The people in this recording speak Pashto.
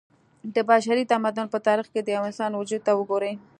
د بشري تمدن په تاريخ کې د يوه انسان وجود ته وګورئ